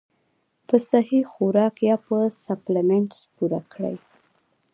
پۀ سهي خوراک يا پۀ سپليمنټس پوره کړي -